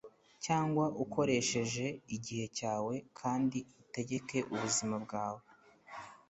cyangwa ukoreshe igihe cyawe kandi utegeke ubuzima bwawe